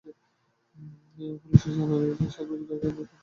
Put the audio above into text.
Police সূত্রে জানা গেছে, সাত বছর আগে নাজমুলের সঙ্গে মহিমা আক্তারের বিয়ে হয়।